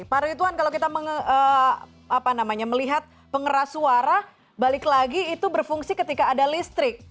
pak ritwan kalau kita melihat pengeras suara balik lagi itu berfungsi ketika ada listrik